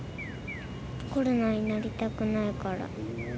コロナになりたくないから。